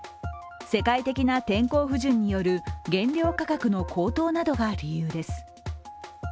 世界的な天候不順による原料価格の高騰などが理由です。